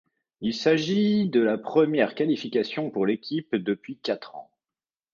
Il s'agit de la première qualification pour l'équipe depuis quatre ans.